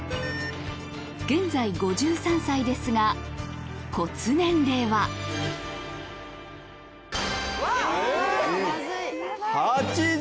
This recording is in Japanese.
現在５３歳ですが骨年齢はえっ８０！